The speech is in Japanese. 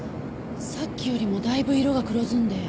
さっきよりもだいぶ色が黒ずんで。